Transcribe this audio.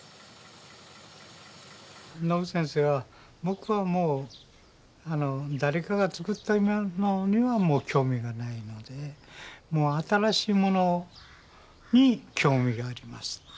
ノグチ先生は僕はもう誰かが作ったものには興味がないので新しいものに興味があります。